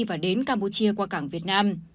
và đến campuchia qua cảng việt nam